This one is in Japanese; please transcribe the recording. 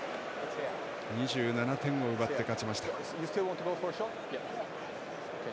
２７点を奪って勝ちました。